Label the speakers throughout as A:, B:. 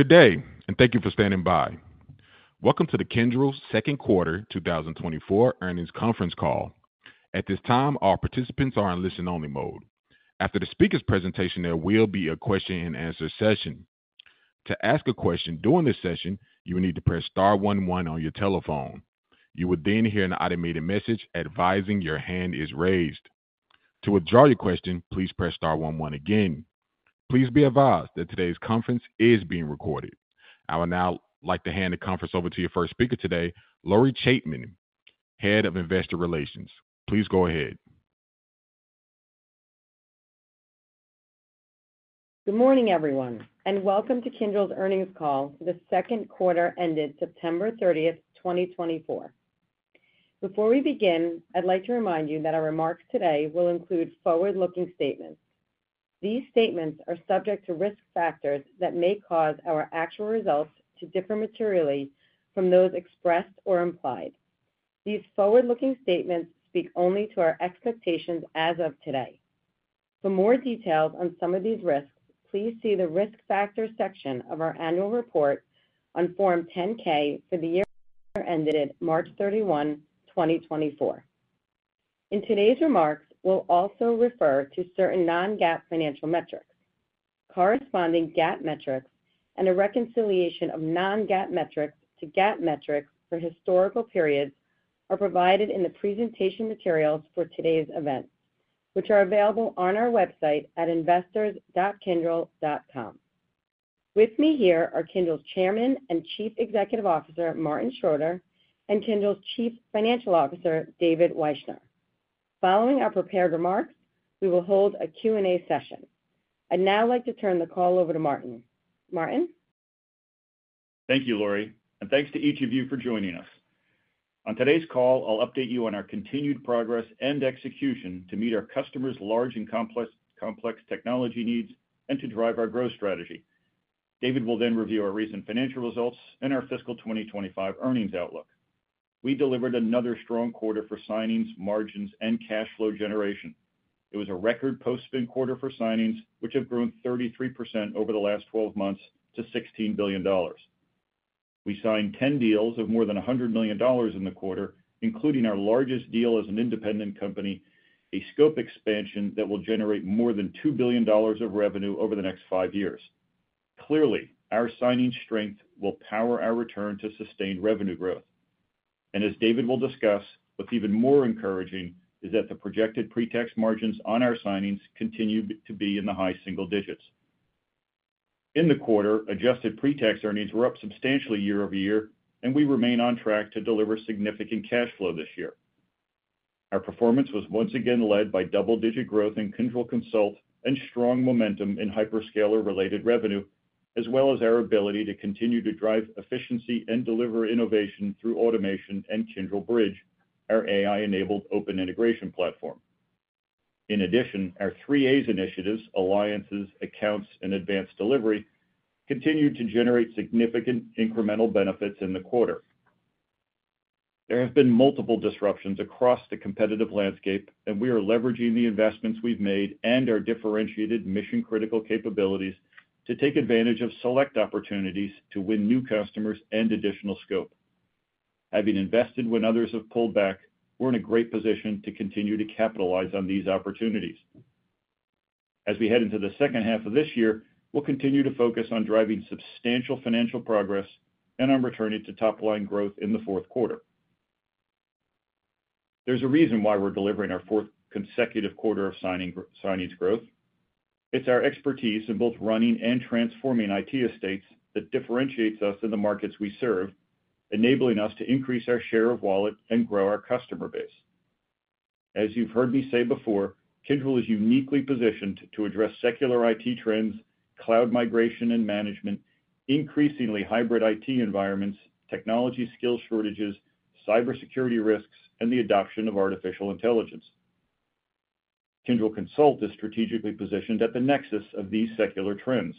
A: Good day, and thank you for standing by. Welcome to the Kyndryl second quarter 2024 earnings conference call. At this time, all participants are in listen-only mode. After the speaker's presentation, there will be a question-and-answer session. To ask a question during this session, you will need to press star one one on your telephone. You will then hear an automated message advising your hand is raised. To withdraw your question, please press star one one again. Please be advised that today's conference is being recorded. I would now like to hand the conference over to your first speaker today, Lori Chaitman, Head of Investor Relations. Please go ahead.
B: Good morning, everyone, and welcome to Kyndryl's earnings call. The second quarter ended September 30th, 2024. Before we begin, I'd like to remind you that our remarks today will include forward-looking statements. These statements are subject to risk factors that may cause our actual results to differ materially from those expressed or implied. These forward-looking statements speak only to our expectations as of today. For more details on some of these risks, please see the risk factor section of our annual report on Form 10-K for the year ended March 31, 2024. In today's remarks, we'll also refer to certain non-GAAP financial metrics. Corresponding GAAP metrics and a reconciliation of non-GAAP metrics to GAAP metrics for historical periods are provided in the presentation materials for today's event, which are available on our website at investors.kyndryl.com. With me here are Kyndryl's Chairman and Chief Executive Officer, Martin Schroeter, and Kyndryl's Chief Financial Officer, David Wyshner. Following our prepared remarks, we will hold a Q&A session. I'd now like to turn the call over to Martin. Martin?
C: Thank you, Lori, and thanks to each of you for joining us. On today's call, I'll update you on our continued progress and execution to meet our customers' large and complex technology needs and to drive our growth strategy. David will then review our recent financial results and our fiscal 2025 earnings outlook. We delivered another strong quarter for signings, margins, and cash flow generation. It was a record post-spin quarter for signings, which have grown 33% over the last 12 months to $16 billion. We signed 10 deals of more than $100 million in the quarter, including our largest deal as an independent company, a scope expansion that will generate more than $2 billion of revenue over the next five years. Clearly, our signing strength will power our return to sustained revenue growth. As David will discuss, what's even more encouraging is that the projected pre-tax margins on our signings continue to be in the high single digits. In the quarter, adjusted pre-tax earnings were up substantially year-over-year, and we remain on track to deliver significant cash flow this year. Our performance was once again led by double-digit growth in Kyndryl Consult and strong momentum in hyperscaler-related revenue, as well as our ability to continue to drive efficiency and deliver innovation through automation and Kyndryl Bridge, our AI-enabled open integration platform. In addition, our 3A's initiatives, alliances, accounts, and advanced delivery continued to generate significant incremental benefits in the quarter. There have been multiple disruptions across the competitive landscape, and we are leveraging the investments we've made and our differentiated mission-critical capabilities to take advantage of select opportunities to win new customers and additional scope. Having invested when others have pulled back, we're in a great position to continue to capitalize on these opportunities. As we head into the second half of this year, we'll continue to focus on driving substantial financial progress and on returning to top-line growth in the fourth quarter. There's a reason why we're delivering our fourth consecutive quarter of signings growth. It's our expertise in both running and transforming IT estates that differentiates us in the markets we serve, enabling us to increase our share of wallet and grow our customer base. As you've heard me say before, Kyndryl is uniquely positioned to address secular IT trends, cloud migration and management, increasingly hybrid IT environments, technology skill shortages, cybersecurity risks, and the adoption of artificial intelligence. Kyndryl Consult is strategically positioned at the nexus of these secular trends.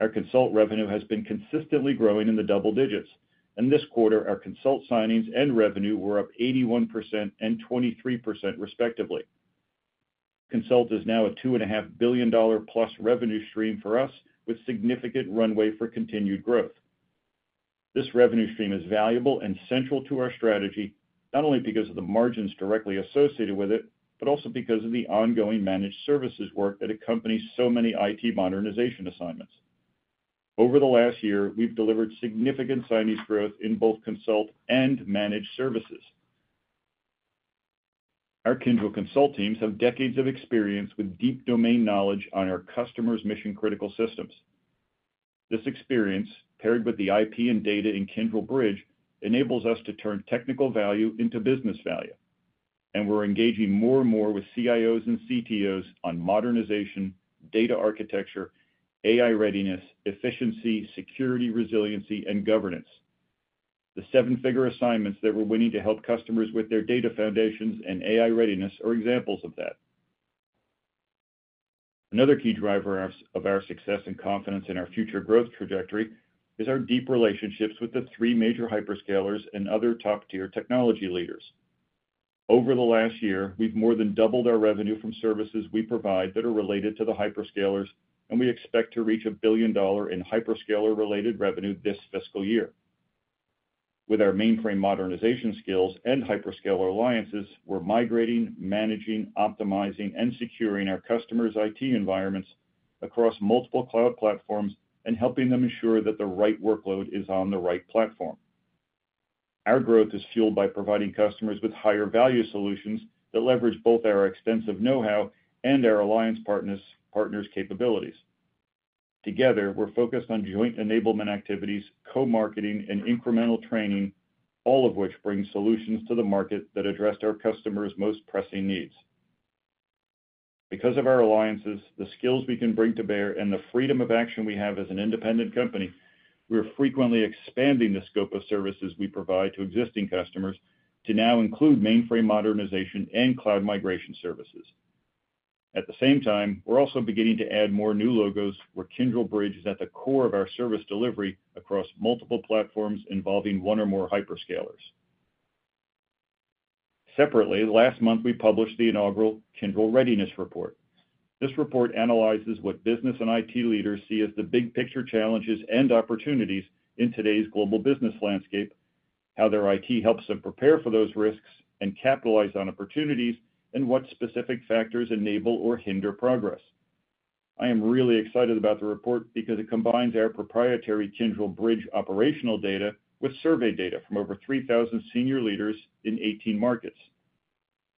C: Our Consult revenue has been consistently growing in the double digits, and this quarter, our Consult signings and revenue were up 81% and 23% respectively. Consult is now a $2.5 billion-plus revenue stream for us, with significant runway for continued growth. This revenue stream is valuable and central to our strategy, not only because of the margins directly associated with it, but also because of the ongoing Managed Services work that accompanies so many IT modernization assignments. Over the last year, we've delivered significant signings growth in both Consult and Managed Services. Our Kyndryl Consult teams have decades of experience with deep domain knowledge on our customers' mission-critical systems. This experience, paired with the IP and data in Kyndryl Bridge, enables us to turn technical value into business value. And we're engaging more and more with CIOs and CTOs on modernization, data architecture, AI readiness, efficiency, security resiliency, and governance. The seven-figure assignments that we're winning to help customers with their data foundations and AI readiness are examples of that. Another key driver of our success and confidence in our future growth trajectory is our deep relationships with the three major hyperscalers and other top-tier technology leaders. Over the last year, we've more than doubled our revenue from services we provide that are related to the hyperscalers, and we expect to reach $1 billion in hyperscaler-related revenue this fiscal year. With our mainframe modernization skills and hyperscaler alliances, we're migrating, managing, optimizing, and securing our customers' IT environments across multiple cloud platforms and helping them ensure that the right workload is on the right platform. Our growth is fueled by providing customers with higher-value solutions that leverage both our extensive know-how and our alliance partners' capabilities. Together, we're focused on joint enablement activities, co-marketing, and incremental training, all of which bring solutions to the market that address our customers' most pressing needs. Because of our alliances, the skills we can bring to bear, and the freedom of action we have as an independent company, we're frequently expanding the scope of services we provide to existing customers to now include mainframe modernization and cloud migration services. At the same time, we're also beginning to add more new logos, where Kyndryl Bridge is at the core of our service delivery across multiple platforms involving one or more hyperscalers. Separately, last month, we published the inaugural Kyndryl Readiness Report. This report analyzes what business and IT leaders see as the big-picture challenges and opportunities in today's global business landscape, how their IT helps them prepare for those risks and capitalize on opportunities, and what specific factors enable or hinder progress. I am really excited about the report because it combines our proprietary Kyndryl Bridge operational data with survey data from over 3,000 senior leaders in 18 markets.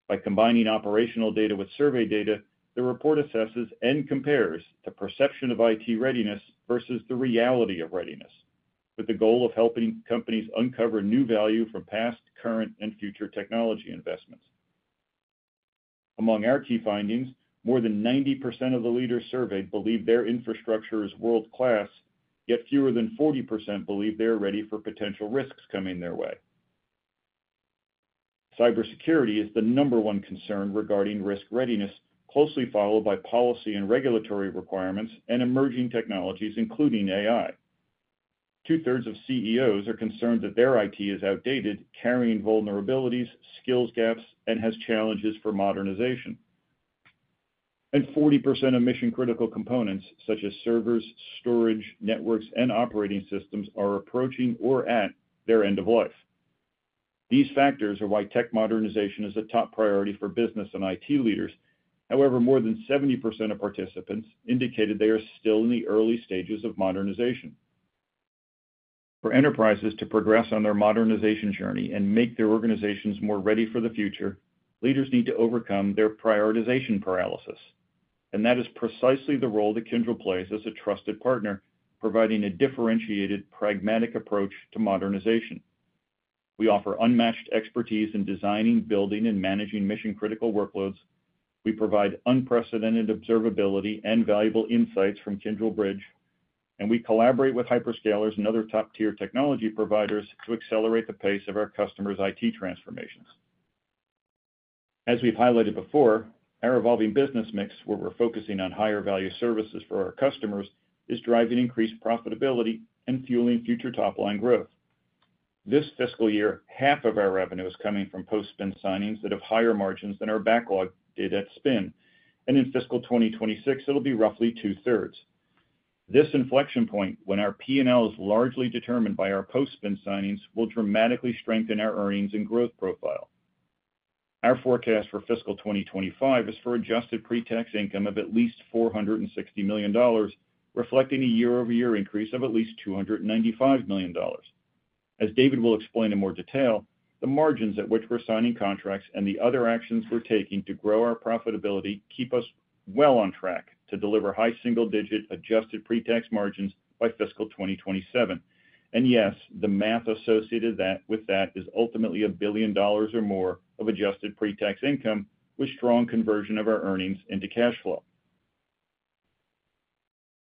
C: By combining operational data with survey data, the report assesses and compares the perception of IT readiness versus the reality of readiness, with the goal of helping companies uncover new value from past, current, and future technology investments. Among our key findings, more than 90% of the leaders surveyed believe their infrastructure is world-class, yet fewer than 40% believe they are ready for potential risks coming their way. Cybersecurity is the number one concern regarding risk readiness, closely followed by policy and regulatory requirements and emerging technologies, including AI. Two-thirds of CEOs are concerned that their IT is outdated, carrying vulnerabilities, skills gaps, and has challenges for modernization, and 40% of mission-critical components, such as servers, storage, networks, and operating systems, are approaching or at their end of life. These factors are why tech modernization is a top priority for business and IT leaders. However, more than 70% of participants indicated they are still in the early stages of modernization. For enterprises to progress on their modernization journey and make their organizations more ready for the future, leaders need to overcome their prioritization paralysis, and that is precisely the role that Kyndryl plays as a trusted partner, providing a differentiated, pragmatic approach to modernization. We offer unmatched expertise in designing, building, and managing mission-critical workloads. We provide unprecedented observability and valuable insights from Kyndryl Bridge, and we collaborate with hyperscalers and other top-tier technology providers to accelerate the pace of our customers' IT transformations. As we've highlighted before, our evolving business mix, where we're focusing on higher-value services for our customers, is driving increased profitability and fueling future top-line growth. This fiscal year, half of our revenue is coming from post-spin signings that have higher margins than our backlog did at spin. And in fiscal 2026, it'll be roughly two-thirds. This inflection point, when our P&L is largely determined by our post-spin signings, will dramatically strengthen our earnings and growth profile. Our forecast for fiscal 2025 is for adjusted pre-tax income of at least $460 million, reflecting a year-over-year increase of at least $295 million. As David will explain in more detail, the margins at which we're signing contracts and the other actions we're taking to grow our profitability keep us well on track to deliver high single-digit adjusted pre-tax margins by fiscal 2027. And yes, the math associated with that is ultimately $1 billion or more of adjusted pre-tax income with strong conversion of our earnings into cash flow.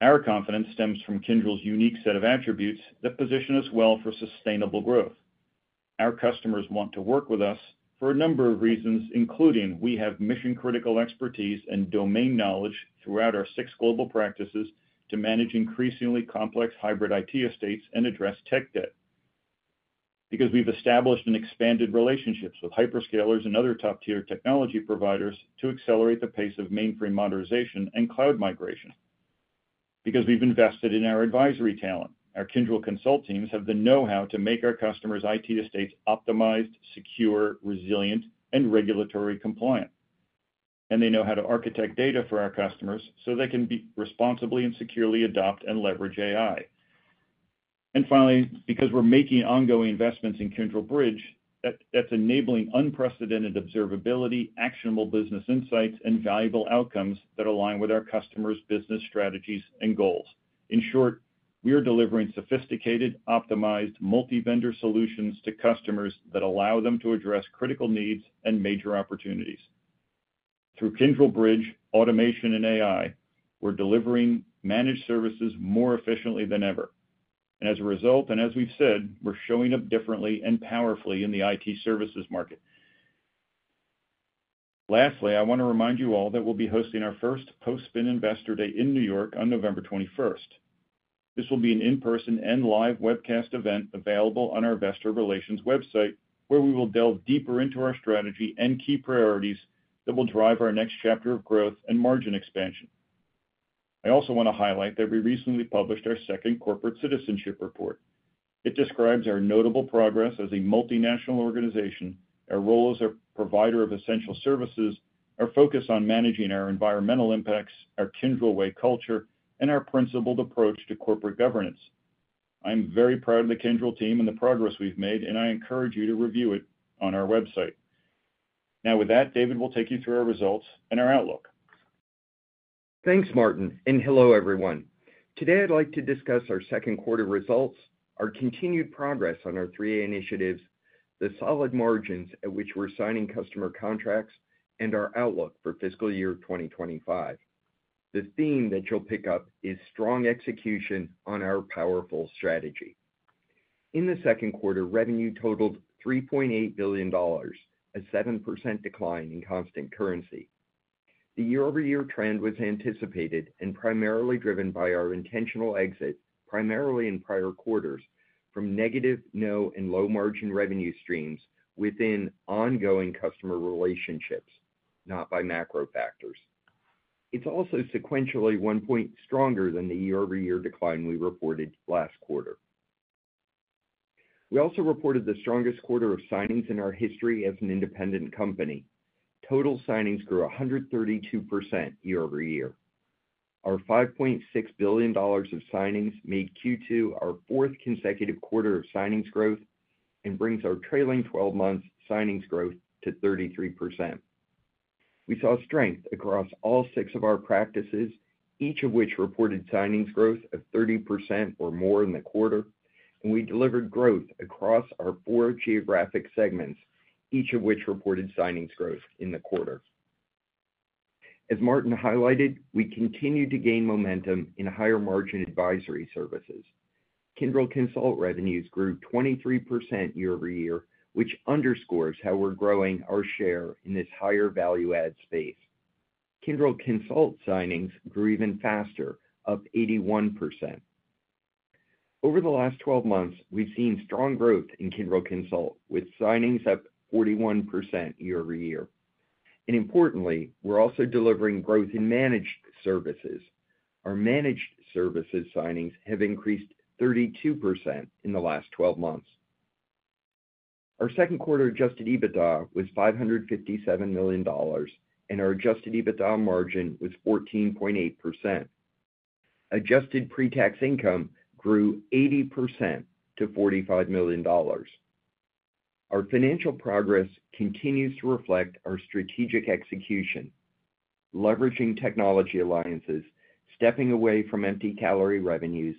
C: Our confidence stems from Kyndryl's unique set of attributes that position us well for sustainable growth. Our customers want to work with us for a number of reasons, including we have mission-critical expertise and domain knowledge throughout our six global practices to manage increasingly complex hybrid IT estates and address tech debt, because we've established and expanded relationships with hyperscalers and other top-tier technology providers to accelerate the pace of mainframe modernization and cloud migration. Because we've invested in our advisory talent, our Kyndryl Consult teams have the know-how to make our customers' IT estates optimized, secure, resilient, and regulatory compliant. And they know how to architect data for our customers so they can responsibly and securely adopt and leverage AI. And finally, because we're making ongoing investments in Kyndryl Bridge, that's enabling unprecedented observability, actionable business insights, and valuable outcomes that align with our customers' business strategies and goals. In short, we are delivering sophisticated, optimized, multi-vendor solutions to customers that allow them to address critical needs and major opportunities. Through Kyndryl Bridge, automation, and AI, we're delivering Managed Services more efficiently than ever. And as a result, and as we've said, we're showing up differently and powerfully in the IT services market. Lastly, I want to remind you all that we'll be hosting our first post-spin Investor Day in New York on November 21st. This will be an in-person and live webcast event available on our investor relations website, where we will delve deeper into our strategy and key priorities that will drive our next chapter of growth and margin expansion. I also want to highlight that we recently published our second corporate citizenship report. It describes our notable progress as a multinational organization, our role as a provider of essential services, our focus on managing our environmental impacts, our Kyndryl Way culture, and our principled approach to corporate governance. I'm very proud of the Kyndryl team and the progress we've made, and I encourage you to review it on our website. Now, with that, David will take you through our results and our outlook.
D: Thanks, Martin. And hello, everyone. Today, I'd like to discuss our second quarter results, our continued progress on our 3A's initiatives, the solid margins at which we're signing customer contracts, and our outlook for fiscal year 2025. The theme that you'll pick up is strong execution on our powerful strategy. In the second quarter, revenue totaled $3.8 billion, a 7% decline in constant currency. The year-over-year trend was anticipated and primarily driven by our intentional exit, primarily in prior quarters, from negative, and low-margin revenue streams within ongoing customer relationships, not by macro factors. It's also sequentially one point stronger than the year-over-year decline we reported last quarter. We also reported the strongest quarter of signings in our history as an independent company. Total signings grew 132% year-over-year. Our $5.6 billion of signings made Q2 our fourth consecutive quarter of signings growth and brings our trailing 12 months' signings growth to 33%. We saw strength across all six of our practices, each of which reported signings growth of 30% or more in the quarter, and we delivered growth across our four geographic segments, each of which reported signings growth in the quarter. As Martin highlighted, we continue to gain momentum in higher-margin advisory services. Kyndryl Consult revenues grew 23% year-over-year, which underscores how we're growing our share in this higher-value-add space. Kyndryl Consult signings grew even faster, up 81%. Over the last 12 months, we've seen strong growth in Kyndryl Consult, with signings up 41% year-over-year, and importantly, we're also delivering growth in Managed Services. Our Managed Services signings have increased 32% in the last 12 months. Our second quarter adjusted EBITDA was $557 million, and our adjusted EBITDA margin was 14.8%. Adjusted pre-tax income grew 80% to $45 million. Our financial progress continues to reflect our strategic execution, leveraging technology alliances, stepping away from empty calorie revenues,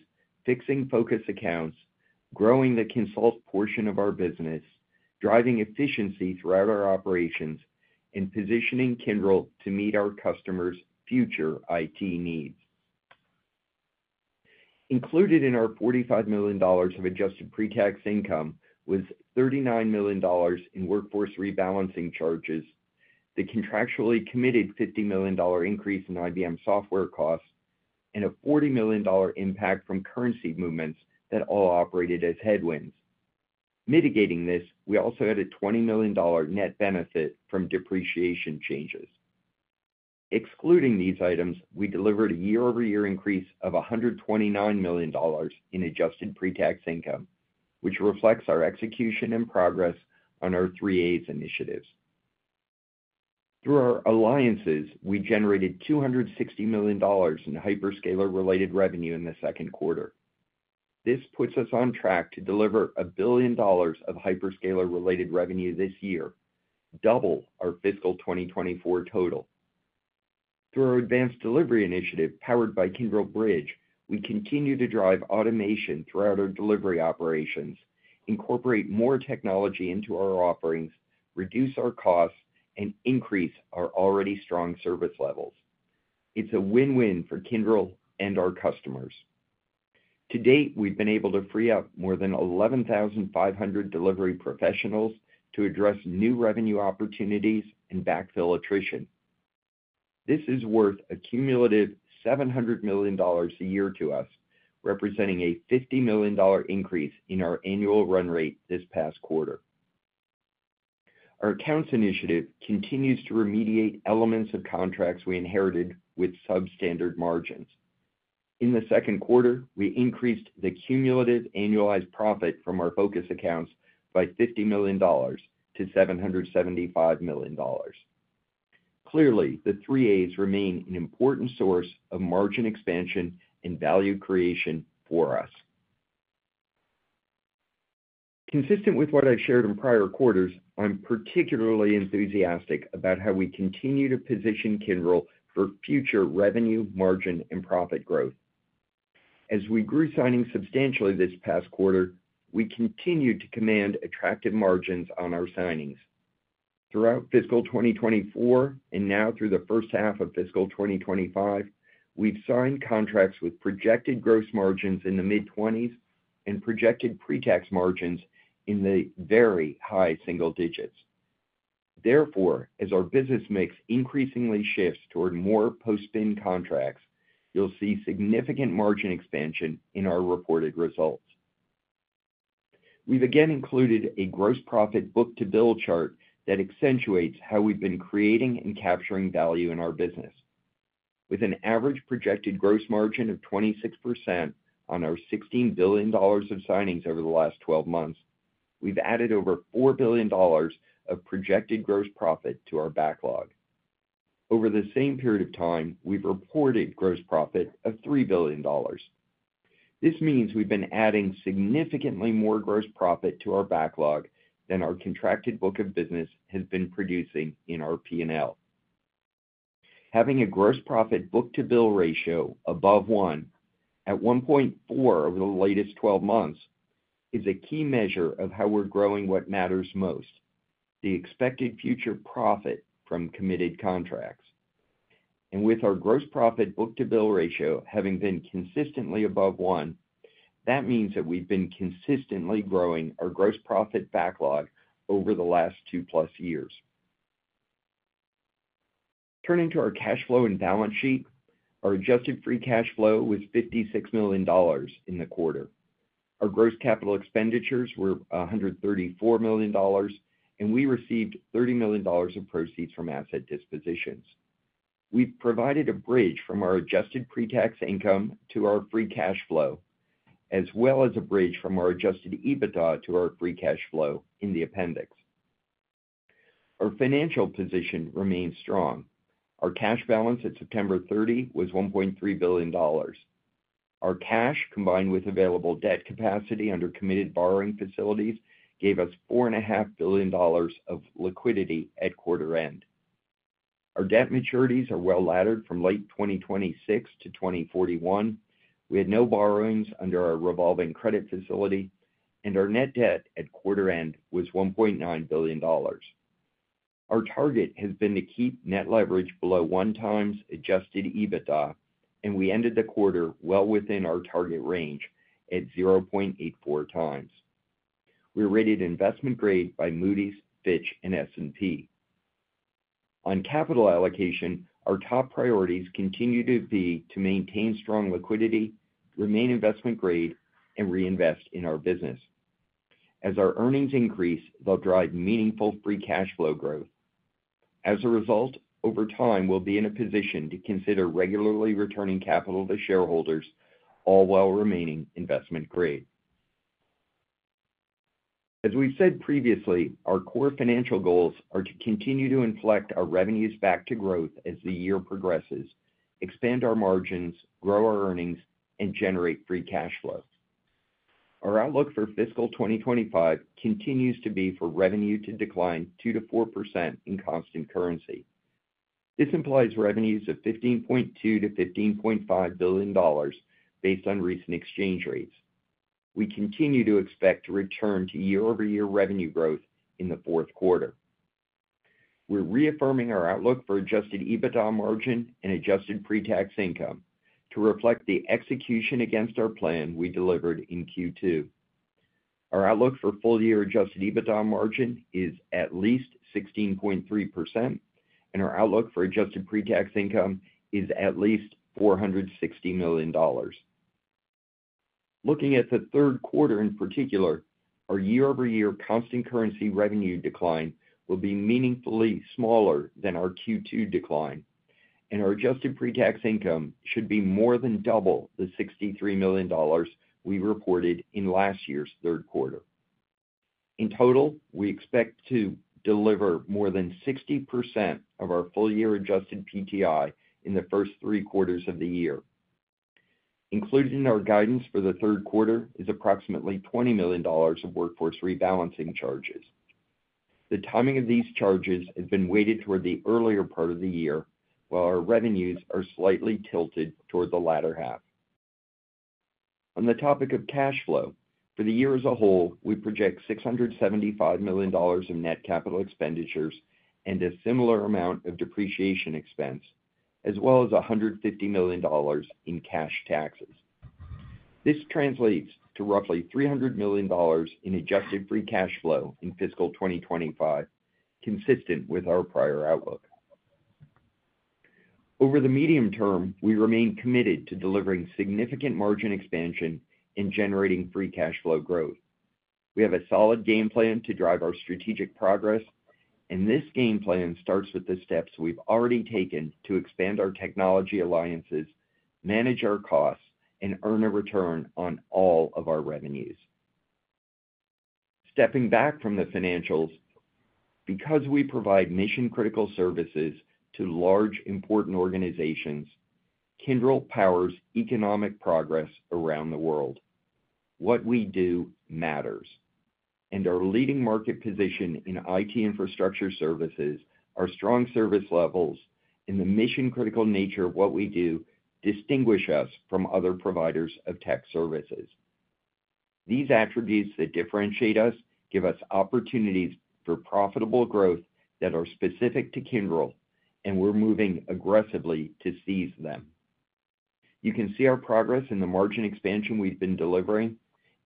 D: fixing focus accounts, growing the Consult portion of our business, driving efficiency throughout our operations, and positioning Kyndryl to meet our customers' future IT needs. Included in our $45 million of adjusted pre-tax income was $39 million in workforce rebalancing charges, the contractually committed $50 million increase in IBM software costs, and a $40 million impact from currency movements that all operated as headwinds. Mitigating this, we also had a $20 million net benefit from depreciation changes. Excluding these items, we delivered a year-over-year increase of $129 million in adjusted pre-tax income, which reflects our execution and progress on our 3A's initiatives. Through our alliances, we generated $260 million in hyperscaler-related revenue in the second quarter. This puts us on track to deliver $1 billion of hyperscaler-related revenue this year, double our fiscal 2024 total. Through our advanced delivery initiative powered by Kyndryl Bridge, we continue to drive automation throughout our delivery operations, incorporate more technology into our offerings, reduce our costs, and increase our already strong service levels. It's a win-win for Kyndryl and our customers. To date, we've been able to free up more than 11,500 delivery professionals to address new revenue opportunities and backfill attrition. This is worth a cumulative $700 million a year to us, representing a $50 million increase in our annual run rate this past quarter. Our accounts initiative continues to remediate elements of contracts we inherited with substandard margins. In the second quarter, we increased the cumulative annualized profit from our focus accounts by $50 million to $775 million. Clearly, the 3A's remain an important source of margin expansion and value creation for us. Consistent with what I've shared in prior quarters, I'm particularly enthusiastic about how we continue to position Kyndryl for future revenue, margin, and profit growth. As we grew signing substantially this past quarter, we continued to command attractive margins on our signings. Throughout fiscal 2024 and now through the first half of fiscal 2025, we've signed contracts with projected gross margins in the mid-20s and projected pre-tax margins in the very high single digits. Therefore, as our business mix increasingly shifts toward more post-spin contracts, you'll see significant margin expansion in our reported results. We've again included a gross profit book-to-bill chart that accentuates how we've been creating and capturing value in our business. With an average projected gross margin of 26% on our $16 billion of signings over the last 12 months, we've added over $4 billion of projected gross profit to our backlog. Over the same period of time, we've reported gross profit of $3 billion. This means we've been adding significantly more gross profit to our backlog than our contracted book of business has been producing in our P&L. Having a gross profit book-to-bill ratio above 1x, at 1.4x over the latest 12 months is a key measure of how we're growing what matters most: the expected future profit from committed contracts. And with our gross profit book-to-bill ratio having been consistently above 1x, that means that we've been consistently growing our gross profit backlog over the last two-plus years. Turning to our cash flow and balance sheet, our adjusted free cash flow was $56 million in the quarter. Our gross capital expenditures were $134 million, and we received $30 million of proceeds from asset dispositions. We've provided a bridge from our adjusted pre-tax income to our free cash flow, as well as a bridge from our adjusted EBITDA to our free cash flow in the appendix. Our financial position remains strong. Our cash balance at September 30 was $1.3 billion. Our cash, combined with available debt capacity under committed borrowing facilities, gave us $4.5 billion of liquidity at quarter end. Our debt maturities are well laddered from late 2026 to 2041. We had no borrowings under our revolving credit facility, and our net debt at quarter end was $1.9 billion. Our target has been to keep net leverage below 1x adjusted EBITDA, and we ended the quarter well within our target range at 0.84x. We're rated investment grade by Moody's, Fitch, and S&P. On capital allocation, our top priorities continue to be to maintain strong liquidity, remain investment grade, and reinvest in our business. As our earnings increase, they'll drive meaningful free cash flow growth. As a result, over time, we'll be in a position to consider regularly returning capital to shareholders, all while remaining investment grade. As we've said previously, our core financial goals are to continue to inflect our revenues back to growth as the year progresses, expand our margins, grow our earnings, and generate free cash flow. Our outlook for fiscal 2025 continues to be for revenue to decline 2%-4% in constant currency. This implies revenues of $15.2 billion-$15.5 billion based on recent exchange rates. We continue to expect to return to year-over-year revenue growth in the fourth quarter. We're reaffirming our outlook for adjusted EBITDA margin and adjusted pre-tax income to reflect the execution against our plan we delivered in Q2. Our outlook for full-year adjusted EBITDA margin is at least 16.3%, and our outlook for adjusted pre-tax income is at least $460 million. Looking at the third quarter in particular, our year-over-year constant currency revenue decline will be meaningfully smaller than our Q2 decline, and our adjusted pre-tax income should be more than double the $63 million we reported in last year's third quarter. In total, we expect to deliver more than 60% of our full-year adjusted PTI in the first three quarters of the year. Included in our guidance for the third quarter is approximately $20 million of workforce rebalancing charges. The timing of these charges has been weighted toward the earlier part of the year, while our revenues are slightly tilted toward the latter half. On the topic of cash flow, for the year as a whole, we project $675 million of net capital expenditures and a similar amount of depreciation expense, as well as $150 million in cash taxes. This translates to roughly $300 million in adjusted free cash flow in fiscal 2025, consistent with our prior outlook. Over the medium term, we remain committed to delivering significant margin expansion and generating free cash flow growth. We have a solid game plan to drive our strategic progress, and this game plan starts with the steps we've already taken to expand our technology alliances, manage our costs, and earn a return on all of our revenues. Stepping back from the financials, because we provide mission-critical services to large, important organizations, Kyndryl powers economic progress around the world. What we do matters, and our leading market position in IT infrastructure services, our strong service levels, and the mission-critical nature of what we do distinguish us from other providers of tech services. These attributes that differentiate us give us opportunities for profitable growth that are specific to Kyndryl, and we're moving aggressively to seize them. You can see our progress in the margin expansion we've been delivering,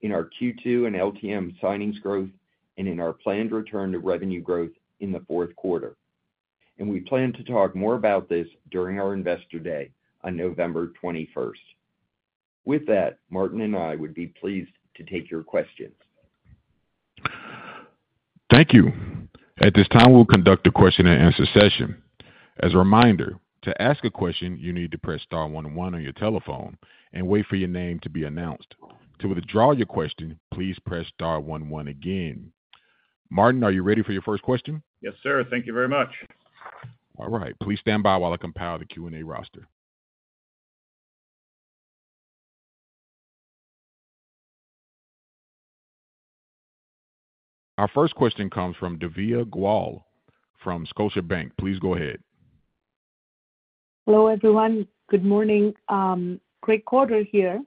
D: in our Q2 and LTM signings growth, and in our planned return to revenue growth in the fourth quarter, and we plan to talk more about this during our Investor Day on November 21st. With that, Martin and I would be pleased to take your questions.
A: Thank you. At this time, we'll conduct a question-and-answer session. As a reminder, to ask a question, you need to press star one one on your telephone and wait for your name to be announced. To withdraw your question, please press star one one again. Martin, are you ready for your first question?
C: Yes, sir. Thank you very much.
A: All right. Please stand by while I compile the Q&A roster. Our first question comes from Divya Goyal from Scotiabank. Please go ahead.
E: Hello, everyone. Good morning. Great quarter here.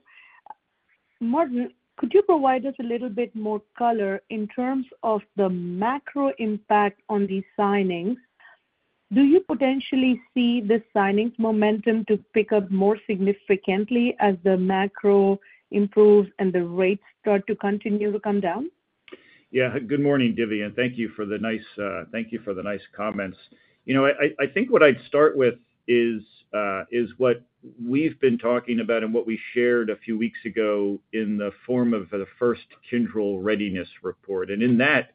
E: Martin, could you provide us a little bit more color in terms of the macro impact on these signings? Do you potentially see the signings momentum to pick up more significantly as the macro improves and the rates start to continue to come down?
C: Yeah. Good morning, Divya. And thank you for the nice comments. You know, I think what I'd start with is what we've been talking about and what we shared a few weeks ago in the form of the first Kyndryl Readiness Report. And in that,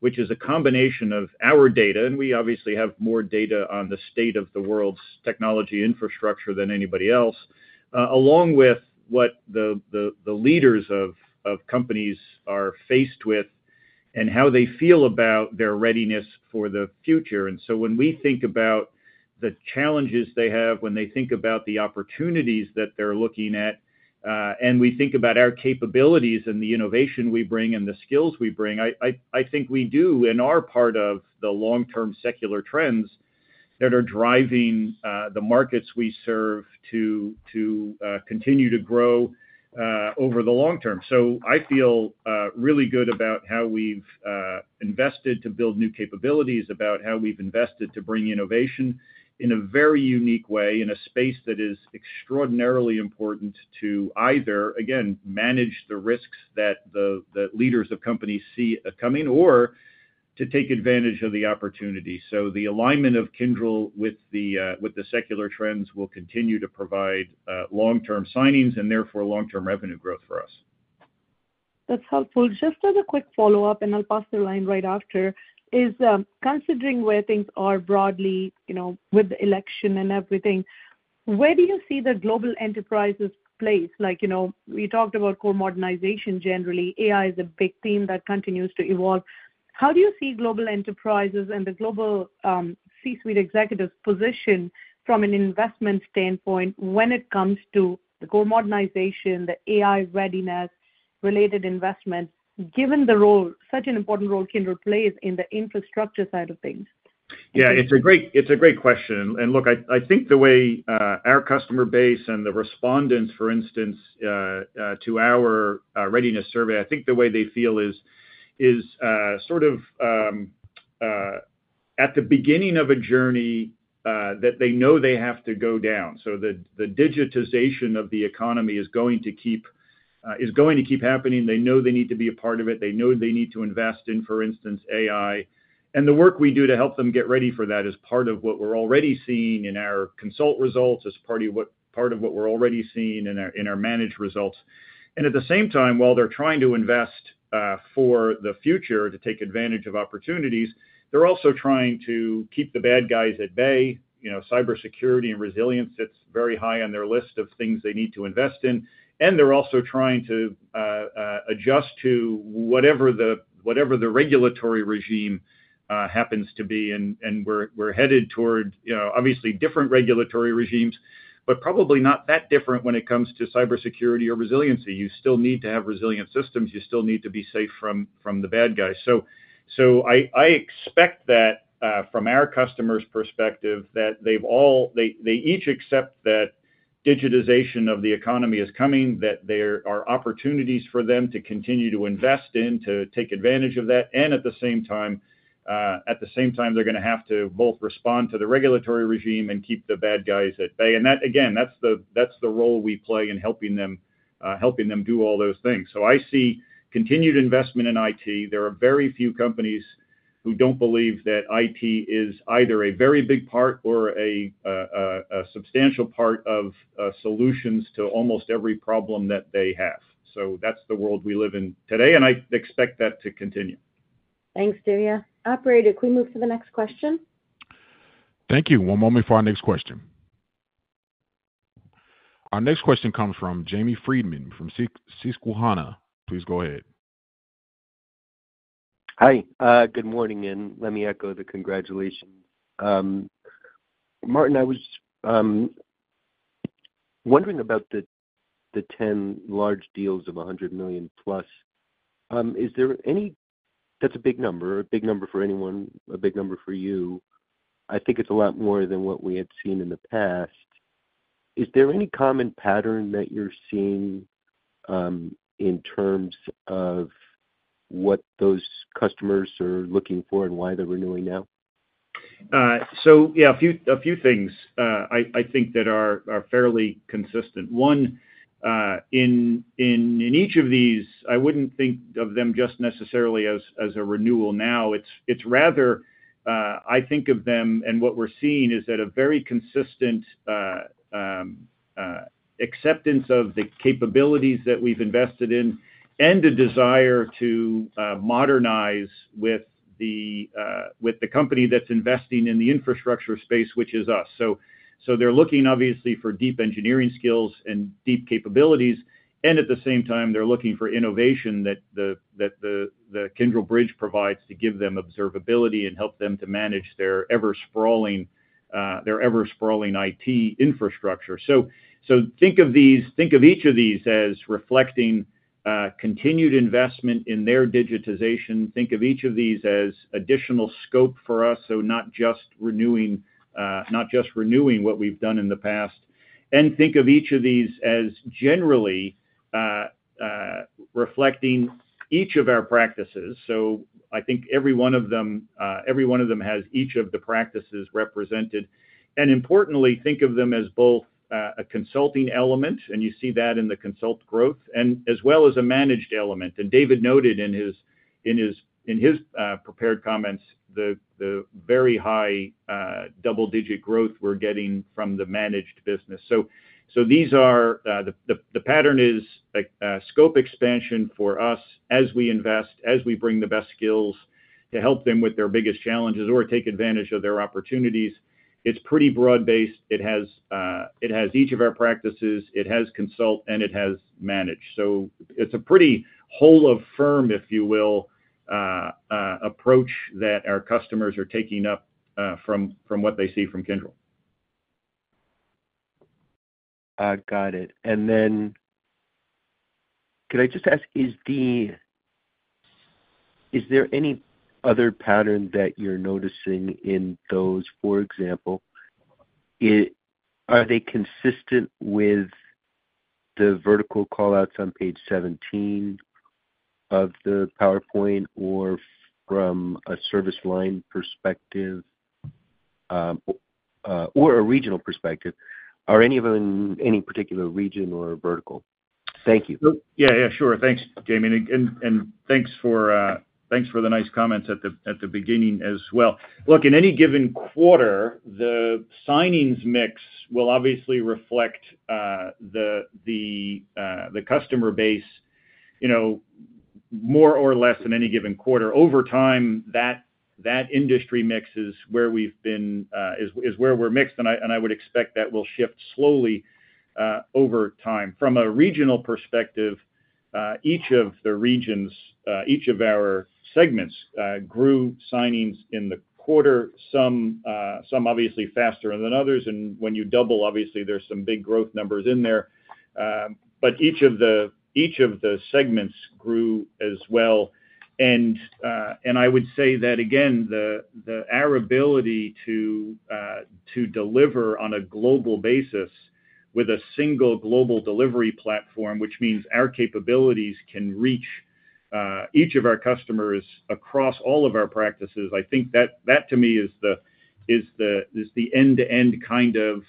C: which is a combination of our data, and we obviously have more data on the state of the world's technology infrastructure than anybody else, along with what the leaders of companies are faced with and how they feel about their readiness for the future. And so when we think about the challenges they have, when they think about the opportunities that they're looking at, and we think about our capabilities and the innovation we bring and the skills we bring, I think we do, in our part of the long-term secular trends that are driving the markets we serve to continue to grow over the long term. So I feel really good about how we've invested to build new capabilities, about how we've invested to bring innovation in a very unique way in a space that is extraordinarily important to either, again, manage the risks that the leaders of companies see coming or to take advantage of the opportunity. So the alignment of Kyndryl with the secular trends will continue to provide long-term signings and therefore long-term revenue growth for us.
E: That's helpful. Just as a quick follow-up, and I'll pass the line right after, considering where things are broadly with the election and everything, where do you see the global enterprise space? Like we talked about cloud modernization generally. AI is a big theme that continues to evolve. How do you see global enterprises and the global C-suite executives' position from an investment standpoint when it comes to the co-modernization, the AI readiness-related investments, given the role, such an important role Kyndryl plays in the infrastructure side of things?
C: Yeah. It's a great question. And look, I think the way our customer base and the respondents, for instance, to our readiness survey, I think the way they feel is sort of at the beginning of a journey that they know they have to go down. So the digitization of the economy is going to keep happening. They know they need to be a part of it. They know they need to invest in, for instance, AI. And the work we do to help them get ready for that is part of what we're already seeing in our Consult results, as part of what we're already seeing in our Managed results. And at the same time, while they're trying to invest for the future to take advantage of opportunities, they're also trying to keep the bad guys at bay. Cybersecurity and resilience sits very high on their list of things they need to invest in. And they're also trying to adjust to whatever the regulatory regime happens to be. And we're headed toward, obviously, different regulatory regimes, but probably not that different when it comes to cybersecurity or resiliency. You still need to have resilient systems. You still need to be safe from the bad guys. So I expect that from our customer's perspective, that they each accept that digitization of the economy is coming, that there are opportunities for them to continue to invest in, to take advantage of that. And at the same time, at the same time, they're going to have to both respond to the regulatory regime and keep the bad guys at bay. And that, again, that's the role we play in helping them do all those things. So I see continued investment in IT. There are very few companies who don't believe that IT is either a very big part or a substantial part of solutions to almost every problem that they have. So that's the world we live in today, and I expect that to continue.
B: Thanks, Divya. Operator, could we move to the next question?
A: Thank you. One moment for our next question. Our next question comes from Jamie Friedman from Susquehanna. Please go ahead.
F: Hi. Good morning, and let me echo the congratulations. Martin, I was wondering about the 10 large deals of $100 million plus. Is there any? That's a big number, a big number for anyone, a big number for you. I think it's a lot more than what we had seen in the past. Is there any common pattern that you're seeing in terms of what those customers are looking for and why they're renewing now?
C: So, yeah, a few things I think that are fairly consistent. One, in each of these, I wouldn't think of them just necessarily as a renewal now. It's rather, I think of them and what we're seeing is at a very consistent acceptance of the capabilities that we've invested in and a desire to modernize with the company that's investing in the infrastructure space, which is us. So they're looking, obviously, for deep engineering skills and deep capabilities. And at the same time, they're looking for innovation that the Kyndryl Bridge provides to give them observability and help them to manage their ever-sprawling IT infrastructure. So think of each of these as reflecting continued investment in their digitization. Think of each of these as additional scope for us, so not just renewing what we've done in the past. And think of each of these as generally reflecting each of our practices. So I think every one of them has each of the practices represented. And importantly, think of them as both a consulting element, and you see that in the Consult growth, and as well as a Managed element. And David noted in his prepared comments the very high double-digit growth we're getting from the Managed business. So these are the pattern is scope expansion for us as we invest, as we bring the best skills to help them with their biggest challenges or take advantage of their opportunities. It's pretty broad-based. It has each of our practices. It has Consult, and it has Managed. So it's a pretty whole-of-firm, if you will, approach that our customers are taking up from what they see from Kyndryl.
F: Got it. And then could I just ask, is there any other pattern that you're noticing in those, for example? Are they consistent with the vertical callouts on page 17 of the PowerPoint or from a service line perspective or a regional perspective? Are any of them in any particular region or vertical? Thank you.
C: Yeah, yeah. Sure. Thanks, Jamie. And thanks for the nice comments at the beginning as well. Look, in any given quarter, the signings mix will obviously reflect the customer base more or less in any given quarter. Over time, that industry mix is where we've been is where we're mixed, and I would expect that will shift slowly over time. From a regional perspective, each of the regions, each of our segments grew signings in the quarter, some obviously faster than others. And when you double, obviously, there's some big growth numbers in there. But each of the segments grew as well. And I would say that, again, our ability to deliver on a global basis with a single global delivery platform, which means our capabilities can reach each of our customers across all of our practices. I think that, to me, is the end-to-end kind of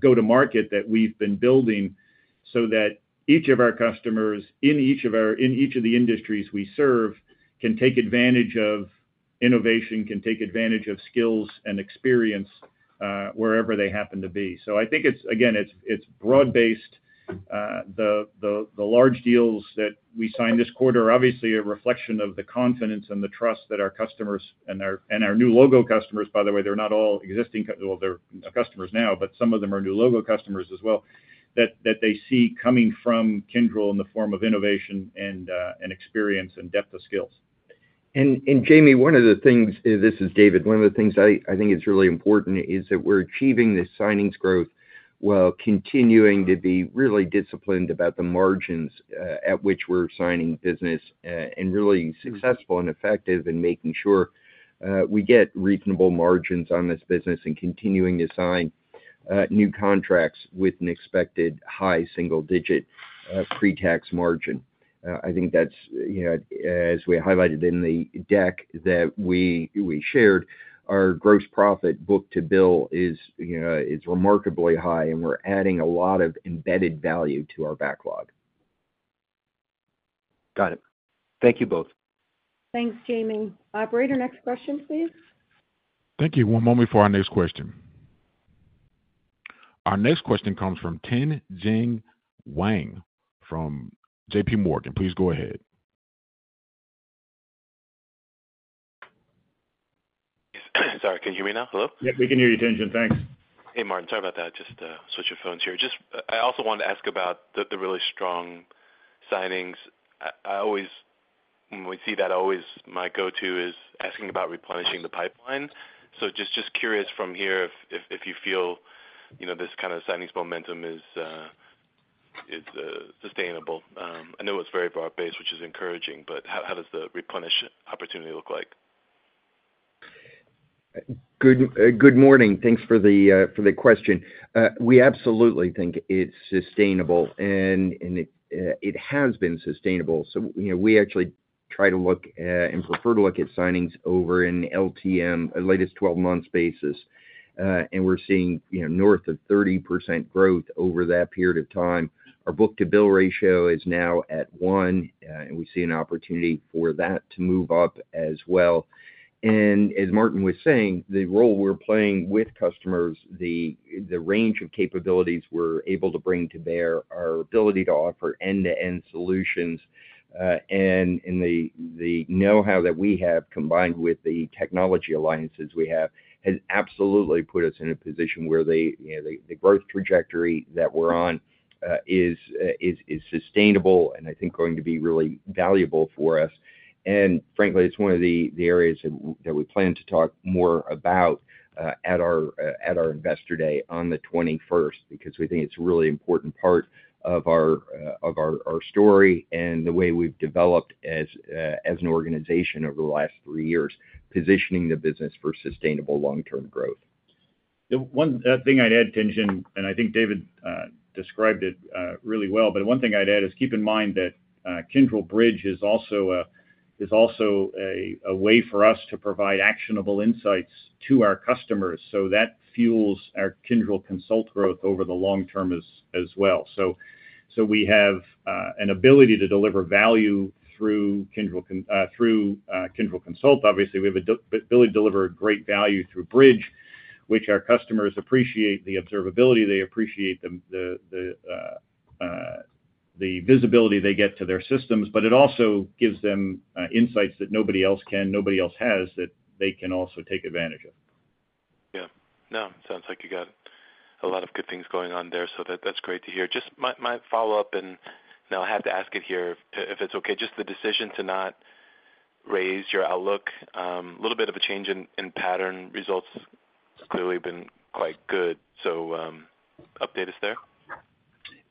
C: go-to-market that we've been building so that each of our customers in each of the industries we serve can take advantage of innovation, can take advantage of skills and experience wherever they happen to be. So I think, again, it's broad-based. The large deals that we signed this quarter are obviously a reflection of the confidence and the trust that our customers and our new logo customers, by the way, they're not all existing customers now, but some of them are new logo customers as well, that they see coming from Kyndryl in the form of innovation and experience and depth of skills.
D: And Jamie, one of the things, this is David, one of the things I think is really important is that we're achieving this signings growth while continuing to be really disciplined about the margins at which we're signing business and really successful and effective in making sure we get reasonable margins on this business and continuing to sign new contracts with an expected high single-digit pre-tax margin. I think that's, as we highlighted in the deck that we shared, our gross profit book-to-bill is remarkably high, and we're adding a lot of embedded value to our backlog.
F: Got it. Thank you both.
B: Thanks, Jamie. Operator, next question, please.
A: Thank you. One moment for our next question. Our next question comes from Tien-tsin Huang from JPMorgan. Please go ahead.
G: Sorry. Can you hear me now? Hello?
C: Yeah. We can hear you, Tien-tsin Huang. Thanks.
G: Hey, Martin. Sorry about that. Just switching phones here. I also wanted to ask about the really strong signings. When we see that, my go-to is asking about replenishing the pipeline. So just curious from here if you feel this kind of signings momentum is sustainable. I know it's very broad-based, which is encouraging, but how does the replenish opportunity look like?
D: Good morning. Thanks for the question. We absolutely think it's sustainable, and it has been sustainable. So we actually try to look and prefer to look at signings over an LTM, a latest 12-month basis. And we're seeing north of 30% growth over that period of time. Our book-to-bill ratio is now at 1x, and we see an opportunity for that to move up as well. And as Martin was saying, the role we're playing with customers, the range of capabilities we're able to bring to bear, our ability to offer end-to-end solutions, and the know-how that we have combined with the technology alliances we have has absolutely put us in a position where the growth trajectory that we're on is sustainable and I think going to be really valuable for us. And frankly, it's one of the areas that we plan to talk more about at our Investor Day on the 21st because we think it's a really important part of our story and the way we've developed as an organization over the last three years, positioning the business for sustainable long-term growth.
C: One thing I'd add, Tien-tsin, and I think David described it really well, but one thing I'd add is keep in mind that Kyndryl Bridge is also a way for us to provide actionable insights to our customers. So that fuels our Kyndryl Consult growth over the long term as well. So we have an ability to deliver value through Kyndryl Consult. Obviously, we have the ability to deliver great value through Bridge, which our customers appreciate the observability. They appreciate the visibility they get to their systems, but it also gives them insights that nobody else can, nobody else has that they can also take advantage of.
G: Yeah. No. Sounds like you got a lot of good things going on there, so that's great to hear. Just my follow-up, and I'll have to ask it here if it's okay, just the decision to not raise your outlook, a little bit of a change in pattern results has clearly been quite good. So update us there?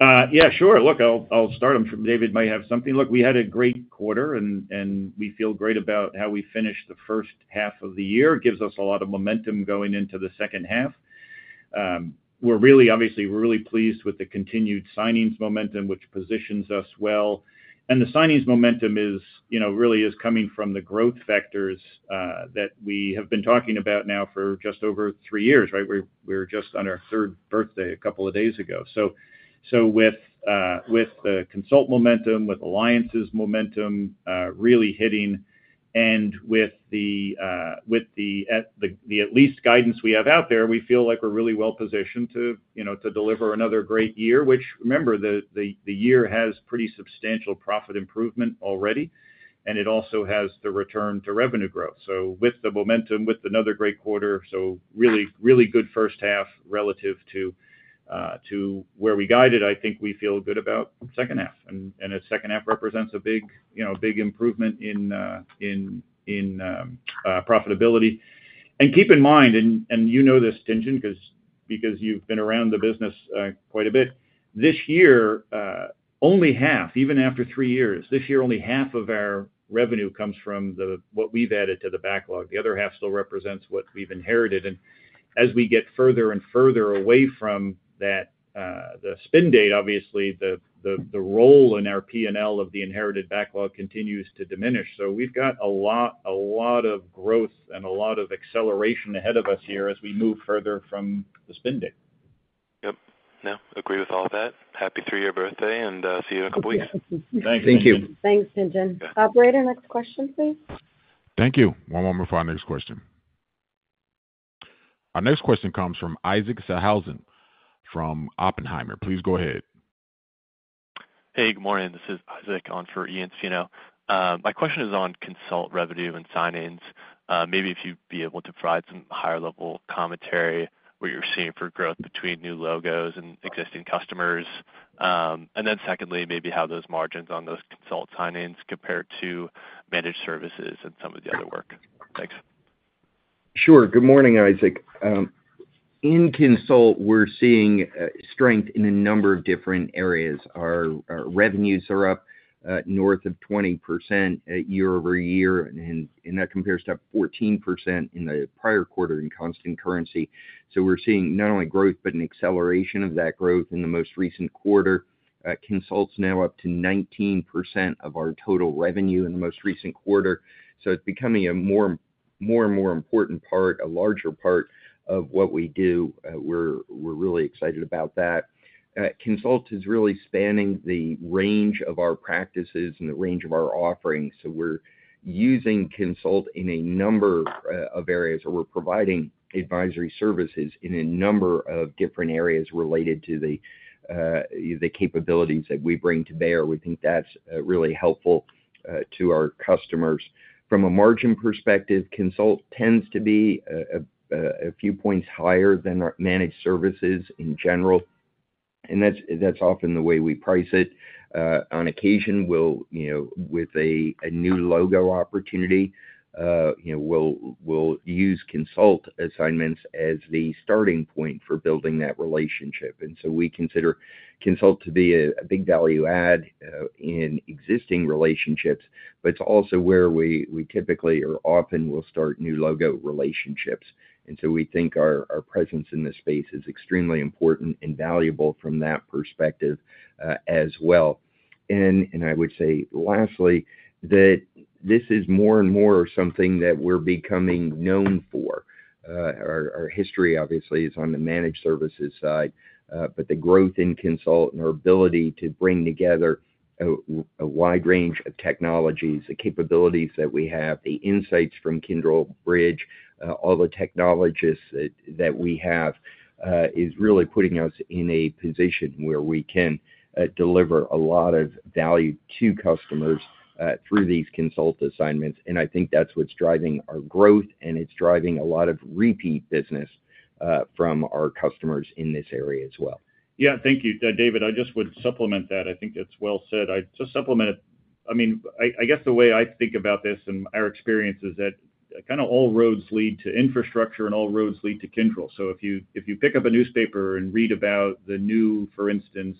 C: Yeah. Sure. Look, I'll start. David might have something. Look, we had a great quarter, and we feel great about how we finished the first half of the year. It gives us a lot of momentum going into the second half. Obviously, we're really pleased with the continued signings momentum, which positions us well. And the signings momentum really is coming from the growth factors that we have been talking about now for just over three years, right? We were just on our third birthday a couple of days ago. So with the Consult momentum, with alliances momentum really hitting, and with the at least guidance we have out there, we feel like we're really well-positioned to deliver another great year, which, remember, the year has pretty substantial profit improvement already, and it also has the return to revenue growth. So with the momentum, with another great quarter, so really good first half relative to where we guided, I think we feel good about second half. And a second half represents a big improvement in profitability. And keep in mind, and you know this, Tien-tsin, because you've been around the business quite a bit, this year, only half, even after three years, this year, only half of our revenue comes from what we've added to the backlog. The other half still represents what we've inherited. And as we get further and further away from the spin date, obviously, the role in our P&L of the inherited backlog continues to diminish. So we've got a lot of growth and a lot of acceleration ahead of us here as we move further from the spin date.
G: Yep. No. Agree all of that. Happy three-year birthday and see you in a couple of weeks. Thank you.
C: Thank you.
B: Thanks, Tien-tsin. Operator, next question, please.
A: Thank you. One moment for our next question. Our next question comes from Isaac Sellhausen from Oppenheimer. Please go ahead.
H: Hey. Good morning. This is Isaac on for Ian Zaffino. My question is on Consult revenue and signings. Maybe if you'd be able to provide some higher-level commentary what you're seeing for growth between new logos and existing customers. And then secondly, maybe how those margins on those Consult signings compare to Managed Services and some of the other work. Thanks.
D: Sure. Good morning, Isaac. In Consult, we're seeing strength in a number of different areas. Our revenues are up north of 20% year-over-year, and that compares to 14% in the prior quarter in constant currency. So we're seeing not only growth but an acceleration of that growth in the most recent quarter. Consult's now up to 19% of our total revenue in the most recent quarter. So it's becoming a more and more important part, a larger part of what we do. We're really excited about that. Consult is really spanning the range of our practices and the range of our offerings. So we're using Consult in a number of areas, or we're providing advisory services in a number of different areas related to the capabilities that we bring to bear. We think that's really helpful to our customers. From a margin perspective, Consult tends to be a few points higher than Managed Services in general. And that's often the way we price it. On occasion, with a new logo opportunity, we'll use Consult assignments as the starting point for building that relationship. And so we consider Consult to be a big value-add in existing relationships, but it's also where we typically or often will start new logo relationships. And so we think our presence in this space is extremely important and valuable from that perspective as well. And I would say, lastly, that this is more and more something that we're becoming known for. Our history, obviously, is on the Managed Services side, but the growth in Consult and our ability to bring together a wide range of technologies, the capabilities that we have, the insights from Kyndryl Bridge, all the technologists that we have is really putting us in a position where we can deliver a lot of value to customers through these Consult assignments. And I think that's what's driving our growth, and it's driving a lot of repeat business from our customers in this area as well.
C: Yeah. Thank you. David, I just would supplement that. I think it's well said. I mean, I guess the way I think about this and our experience is that kind of all roads lead to infrastructure, and all roads lead to Kyndryl. So if you pick up a newspaper and read about the new, for instance,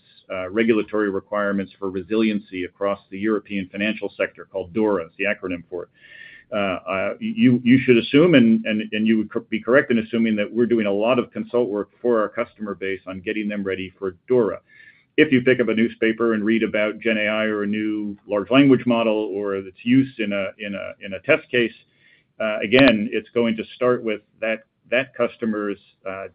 C: regulatory requirements for resiliency across the European financial sector called DORA, it's the acronym for it, you should assume, and you would be correct in assuming that we're doing a lot of Consult work for our customer base on getting them ready for DORA. If you pick up a newspaper and read about GenAI or a new large language model or its use in a test case, again, it's going to start with that customer's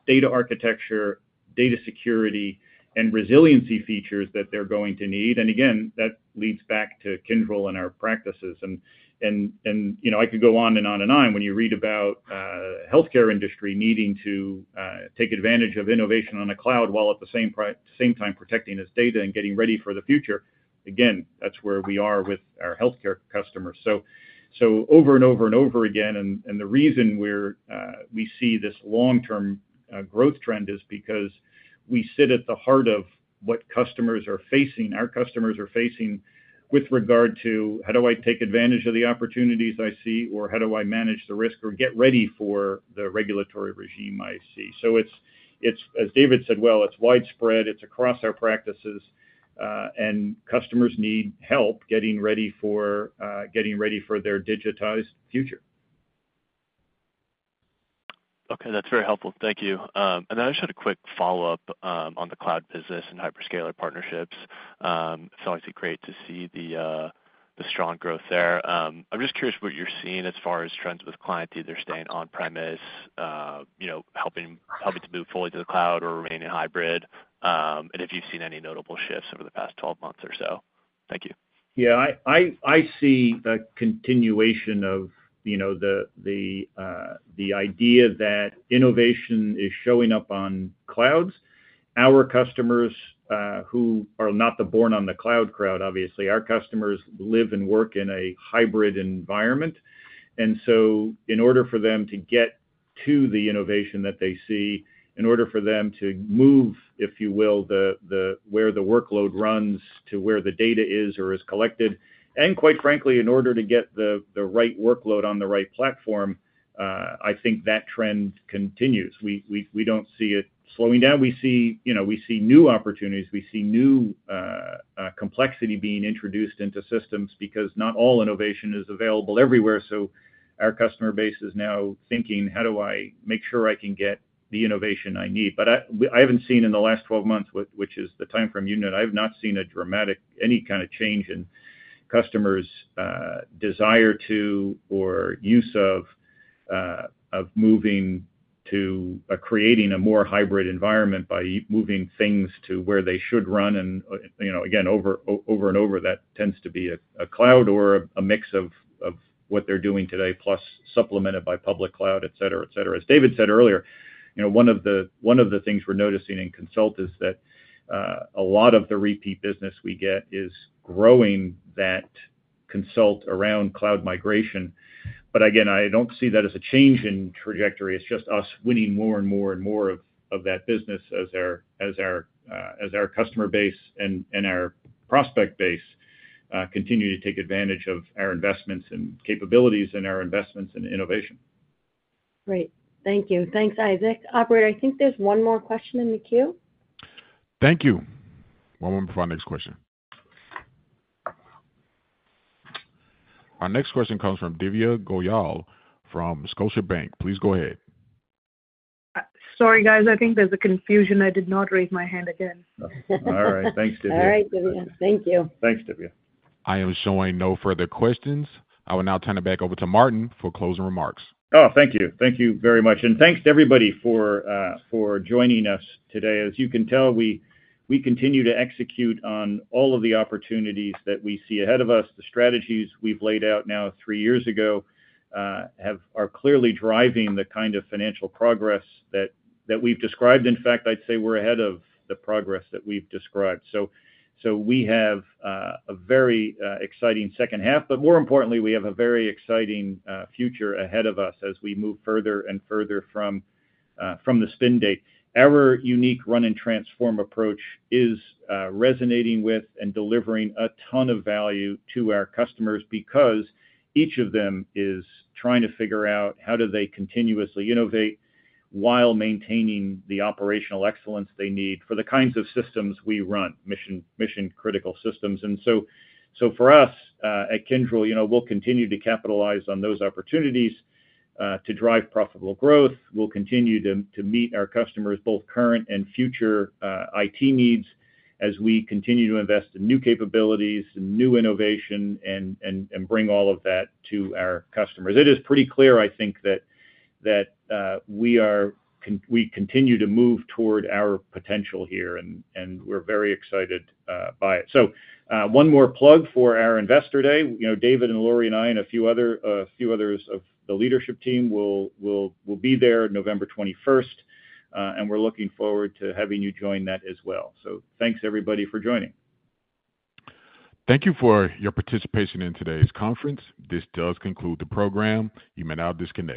C: data architecture, data security, and resiliency features that they're going to need. And again, that leads back to Kyndryl and our practices. And I could go on and on and on. When you read about the healthcare industry needing to take advantage of innovation on a cloud while at the same time protecting its data and getting ready for the future, again, that's where we are with our healthcare customers. So over and over and over again, and the reason we see this long-term growth trend is because we sit at the heart of what customers are facing, our customers are facing with regard to how do I take advantage of the opportunities I see, or how do I manage the risk or get ready for the regulatory regime I see. So as David said, well, it's widespread. It's across our practices, and customers need help getting ready for their digitized future.
H: Okay. That's very helpful. Thank you. And then I just had a quick follow-up on the cloud business and hyperscaler partnerships. It's always great to see the strong growth there. I'm just curious what you're seeing as far as trends with clients, either staying on-premise, helping to move fully to the cloud, or remaining hybrid, and if you've seen any notable shifts over the past 12 months or so. Thank you.
C: Yeah. I see the continuation of the idea that innovation is showing up on clouds. Our customers who are not the born-on-the-cloud crowd, obviously, our customers live and work in a hybrid environment, and so in order for them to get to the innovation that they see, in order for them to move, if you will, where the workload runs to where the data is or is collected, and quite frankly, in order to get the right workload on the right platform, I think that trend continues. We don't see it slowing down. We see new opportunities. We see new complexity being introduced into systems because not all innovation is available everywhere. So our customer base is now thinking, "How do I make sure I can get the innovation I need?" But I haven't seen in the last 12 months, which is the time frame you know, I've not seen a dramatic any kind of change in customers' desire to or use of moving to creating a more hybrid environment by moving things to where they should run. And again, over and over, that tends to be a cloud or a mix of what they're doing today, plus supplemented by public cloud, etc., etc. As David said earlier, one of the things we're noticing in Consult is that a lot of the repeat business we get is growing that Consult around cloud migration. But again, I don't see that as a change in trajectory. It's just us winning more and more and more of that business as our customer base and our prospect base continue to take advantage of our investments and capabilities and our investments in innovation.
B: Great. Thank you. Thanks, Isaac. Operator, I think there's one more question in the queue.
A: Thank you. One moment for our next question. Our next question comes from Divya Goyal from Scotiabank. Please go ahead.
E: Sorry, guys. I think there's a confusion. I did not raise my hand again.
C: All right. Thanks, Divya.
B: All right, Divya. Thank you.
D: Thanks, Divya.
A: I am showing no further questions. I will now turn it back over to Martin for closing remarks.
C: Oh, thank you. Thank you very much. And thanks to everybody for joining us today. As you can tell, we continue to execute on all of the opportunities that we see ahead of us. The strategies we've laid out now three years ago are clearly driving the kind of financial progress that we've described. In fact, I'd say we're ahead of the progress that we've described, so we have a very exciting second half, but more importantly, we have a very exciting future ahead of us as we move further and further from the spin date. Our unique run-and-transform approach is resonating with and delivering a ton of value to our customers because each of them is trying to figure out how do they continuously innovate while maintaining the operational excellence they need for the kinds of systems we run, mission-critical systems, and so for us at Kyndryl, we'll continue to capitalize on those opportunities to drive profitable growth. We'll continue to meet our customers' both current and future IT needs as we continue to invest in new capabilities and new innovation and bring all of that to our customers. It is pretty clear, I think, that we continue to move toward our potential here, and we're very excited by it. So one more plug for our Investor Day. David and Lori and I and a few others of the leadership team will be there November 21st. And we're looking forward to having you join that as well. So thanks, everybody, for joining.
A: Thank you for your participation in today's conference. This does conclude the program. You may now disconnect.